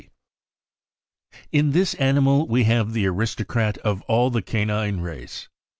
D. jj] 1ST this animal we have the aristocrat of all the canine I race.